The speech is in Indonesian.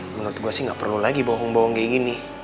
menurut gue sih nggak perlu lagi bohong bohong kayak gini